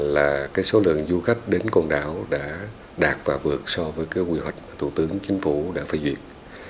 là cái số lượng du khách đến con đảo đã đạt và vượt so với cái quy hoạch thủ tướng chính phủ đã phê duyệt